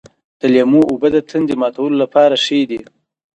د لیمو اوبه د تندې ماتولو لپاره ښې دي.